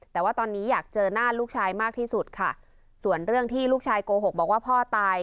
แต่ว่าตอนนี้อยากเจอหน้าลูกชายมากที่สุดค่ะส่วนเรื่องที่ลูกชายโกหกบอกว่าพ่อตาย